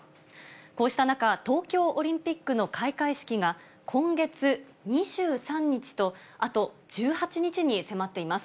こうした中、東京オリンピックの開会式が、今月２３日と、あと１８日に迫っています。